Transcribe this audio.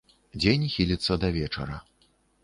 Дзень хіліцца да вечара.